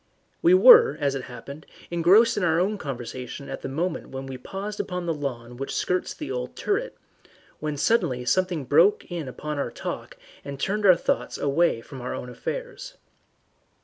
We were, as it happened, engrossed in our own conversation at the moment and we had paused upon the lawn which skirts the old turret, when suddenly something broke in upon our talk and turned our thoughts away from our own affairs.